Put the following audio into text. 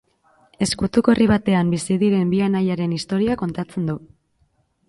Ezkutuko herri batean bizi diren bi anaiaren istorioa kontatzen du.